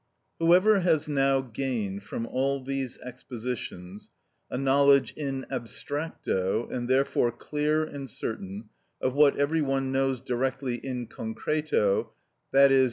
Whoever has now gained from all these expositions a knowledge in abstracto, and therefore clear and certain, of what every one knows directly in concreto, _i.e.